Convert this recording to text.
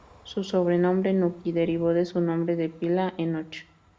Su sobrenombre, "Nucky", derivó de su nombre de pila, Enoch.